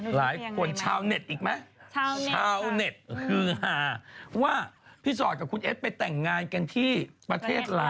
หลายคนชาวเน็ตอีกไหมชาวเน็ตค่ะชาวเน็ตคือว่าพี่ชอตกับคุณเอ็ดไปแต่งงานกันที่ประเทศลาว